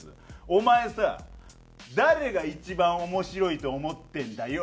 「お前さ誰が一番面白いと思ってるんだよ？」